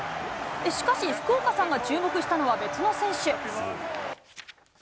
しかし、福岡さんが注目したのは別の選手。